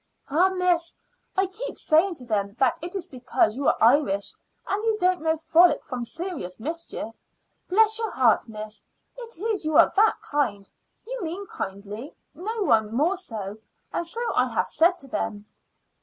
"Ah, miss! I keep saying to them that it is because you are Irish and don't know frolic from serious mischief. Bless your heart, miss! it is you that are kind. You mean kindly no one more so and so I have said to them."